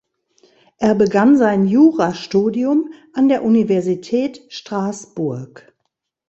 Er begann sein Jurastudium an der Universität Straßburg.